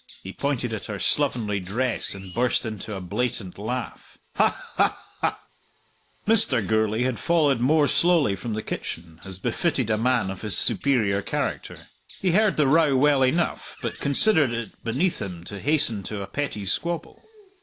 He pointed at her slovenly dress and burst into a blatant laugh: "Huh, huh, huh!" Mr. Gourlay had followed more slowly from the kitchen, as befitted a man of his superior character. He heard the row well enough, but considered it beneath him to hasten to a petty squabble.